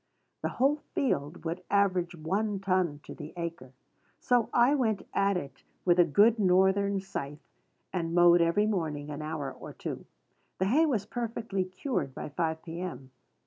The whole field would average one ton to the acre. So I went at it with a good Northern scythe, and mowed every morning an hour or two. The hay was perfectly cured by five P.M.